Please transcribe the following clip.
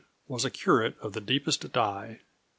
was a curate of the deepest dye.